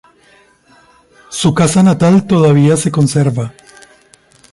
Su casa natal todavía se conserva.